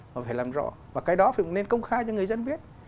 mà phải làm rõ và cái đó phải nên công khai cho người dân biết